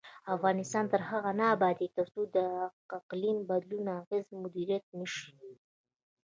افغانستان تر هغو نه ابادیږي، ترڅو د اقلیم بدلون اغیزې مدیریت نشي.